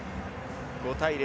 ５対０